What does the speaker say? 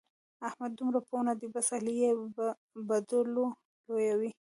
احمد دومره پوه نه دی؛ بس علي يې به بدلو لويوي.